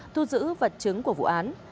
thu giữ vật chứng của vụ án